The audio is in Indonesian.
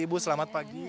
ibu selamat pagi